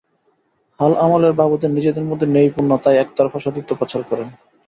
হাল-আমলের বাবুদের নিজেদের মধ্যে নেই পুণ্য, তাই একতরফা সতীত্ব প্রচার করেন।